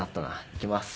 いきます。